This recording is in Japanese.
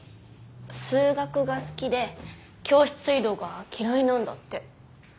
数学が好きで教室移動が嫌いなんだって。